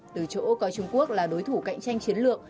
từ chỗ coi trung quốc là đối thủ cạnh tranh chiến lược